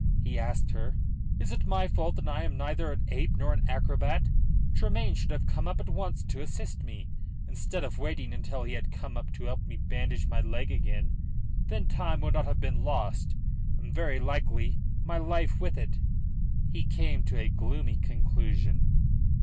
he asked her. "Is it my fault that I am neither an ape nor an acrobat? Tremayne should have come up at once to assist me, instead of waiting until he had to come up to help me bandage my leg again. Then time would not have been lost, and very likely my life with it." He came to a gloomy conclusion.